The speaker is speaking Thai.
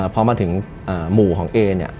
พอมาถึงหมู่ของเอเนี่ย